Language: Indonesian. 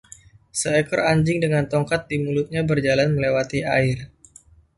Seekor anjing dengan tongkat di mulutnya berjalan melewati air